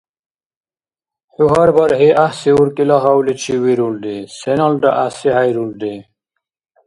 ХӀу гьар бархӀи гӀяхӀси уркӀила гьавличив вирулри, сеналра гӀясихӀейрулри.